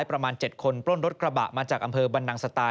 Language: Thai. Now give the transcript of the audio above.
ประมาณ๗คนปล้นรถกระบะมาจากอำเภอบรรนังสไตล